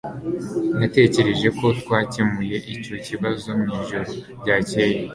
Natekereje ko twakemuye icyo kibazo mwijoro ryakeye